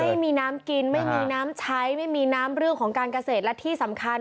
ไม่มีน้ำกินไม่มีน้ำใช้ไม่มีน้ำเรื่องของการเกษตรและที่สำคัญ